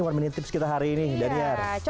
karena selama ini sebanyak dua jam per retro